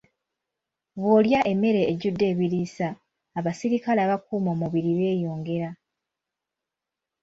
Bw'olya emmere ejjudde ebiriisa, abasirikale abakuuma omubiri beeyongera.